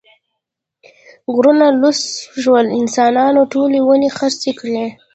غرونه لوڅ شول، انسانانو ټولې ونې خرڅې کړې.